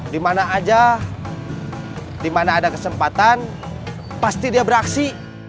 dimana aja dimana ada kesempatan pasti dia beraksi